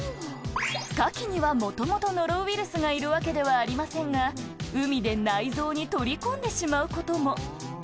カキにはもともとノロウイルスがいるわけではありませんが、海で内臓に取り込んでしまうことも。